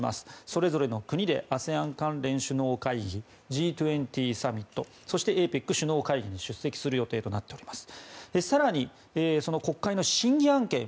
それぞれの国でＡＳＥＡＮ関連首脳会議Ｇ２０サミットそしてＡＰＥＣ首脳会議に出席する予定となっています。